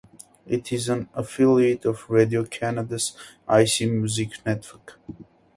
It is an affiliate of Radio-Canada's Ici Musique network.